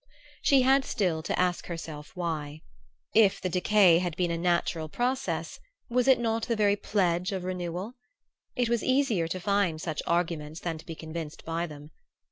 She had still to ask herself why. If the decay had been a natural process, was it not the very pledge of renewal? It was easier to find such arguments than to be convinced by them.